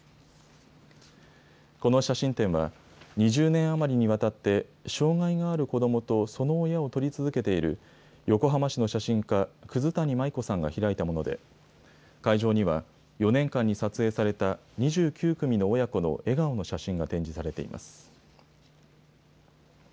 この写真展は、２０年余りにわたって、障害がある子どもとその親を撮り続けている、横浜市の写真家、葛谷舞子さんが開いたもので、会場には、４年間に撮影された２９組の親子の笑顔の写真が展示されています。